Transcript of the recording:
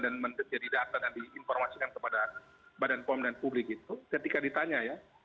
dan menjadi data dan diinformasikan kepada badan pom dan publik itu ketika ditanya ya